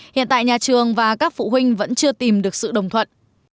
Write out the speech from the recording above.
hiện tại nhà trường và các phụ huynh vẫn chưa tìm được sự đồng thuận